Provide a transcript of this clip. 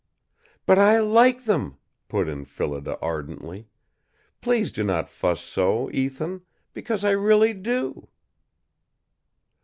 "But I like them," put in Phillida ardently. "Please do not fuss so, Ethan; because I really do."